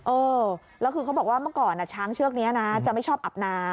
เออแล้วคือเขาบอกว่าเมื่อก่อนช้างเชือกนี้นะจะไม่ชอบอาบน้ำ